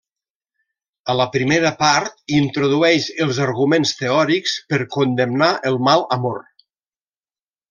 A la primera part introdueix els arguments teòrics per condemnar el mal amor.